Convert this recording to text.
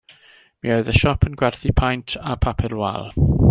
Mi oedd y siop yn gwerthu paent a papur wal.